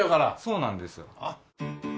そうなんです。